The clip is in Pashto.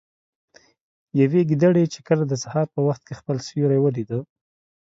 يوې ګيدړې چې کله د سهار په وخت كې خپل سيورى وليده